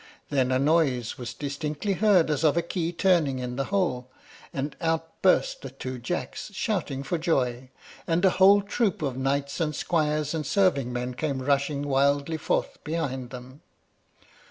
Then a noise was distinctly heard as of a key turning in the hole, and out burst the two Jacks, shouting for joy, and a whole troop of knights and squires and serving men came rushing wildly forth behind them.